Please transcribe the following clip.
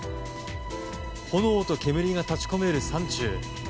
炎と煙が立ち込める山中。